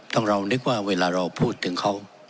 เรานึกว่าเวลาเราพูดถึงเขา